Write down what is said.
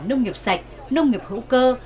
nông nghiệp sạch nông nghiệp hữu cơ